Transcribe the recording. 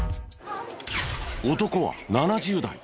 男は７０代。